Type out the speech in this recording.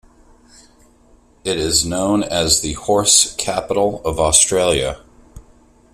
It is known as the 'Horse capital of Australia'.